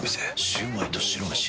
シュウマイと白めし。